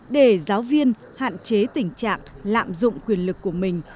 để giáo viên hạn chế tình trạng lạm dụng quyền lực của mình